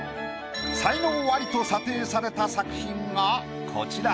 才能アリと査定された作品がこちら。